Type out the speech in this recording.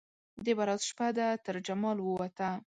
د برات شپه ده ترجمال ووته